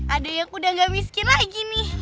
aduh ya aku udah ga miskin lagi nih